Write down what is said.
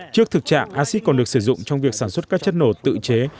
trước thực trạng acid còn được sử dụng trong việc sản xuất các chất nổ tự chế